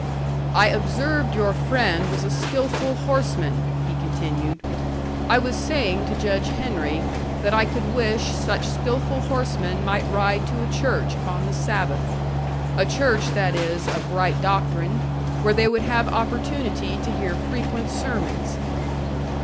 "I observed your friend was a skilful horseman," he continued. "I was saying to Judge Henry that I could wish such skilful horsemen might ride to a church upon the Sabbath. A church, that is, of right doctrine, where they would have opportunity to hear frequent sermons."